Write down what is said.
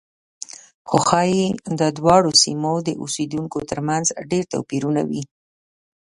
خو ښایي د دواړو سیمو د اوسېدونکو ترمنځ ډېر توپیرونه وي.